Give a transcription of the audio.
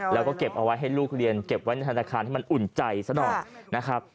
แล้วก็เก็บเอาไว้ให้ลูกเรียนเก็บไว้ทางรายคนาคานให้มันอุ่นใจสนอง